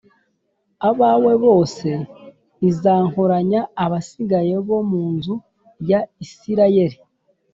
abawe bose i nzakoranya abasigaye bo mu nzu ya Isirayeli